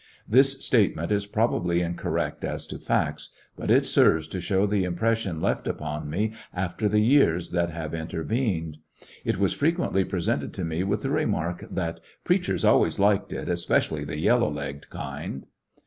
This statement is probably incorrect as to facts, but it serves to 101 ^ecoCCections of a show the impression left upon me after the years that have intervened. It was fre quently presented to me with the remark that "preachers always liked it, especially the yellow legged kind."